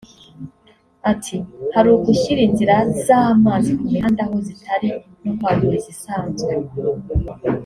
Ati “Hari ugushyira inzira z’amazi ku mihanda aho zitari no kwagura izisanzwe